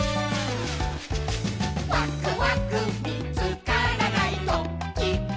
「ワクワクみつからないときも」